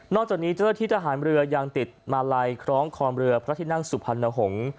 จากนี้เจ้าหน้าที่ทหารเรือยังติดมาลัยคล้องคอมเรือพระที่นั่งสุพรรณหงษ์